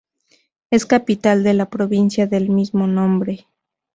Es capital de la provincia del mismo nombre.